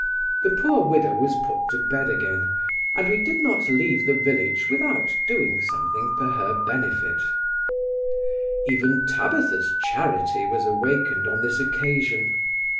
The poor widow was put to bed again; and we did not leave the village without doing something for her benefit Even Tabitha's charity was awakened on this occasion.